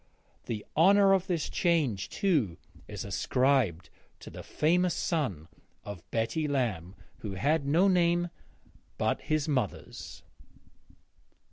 The honour of this change too is ascribed to the famous son of Betty Lamb, who had no name but his mother's.